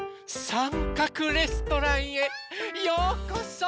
さんかくレストランへようこそ！